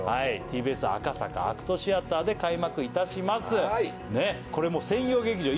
ＴＢＳ赤坂ＡＣＴシアターで開幕いたしますねっこれ専用劇場